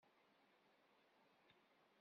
Ikad-d ceɣlen merra.